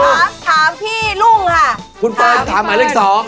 ครับถามพี่ลุงค่ะถามคุณเปิ้ลถามมาเรื่อง๒